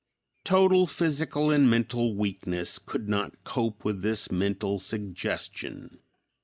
Total physical and mental weakness could not cope with this mental suggestion.